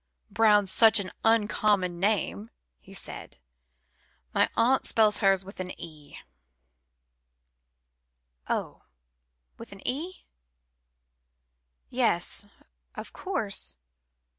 "Brown's such an uncommon name," he said; "my aunt spells hers with an E." "Oh! with an E? Yes, of course.